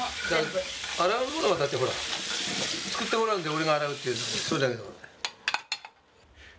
洗う物はだってほら作ってもらうんで俺が洗うっていうそれだけの事だよ。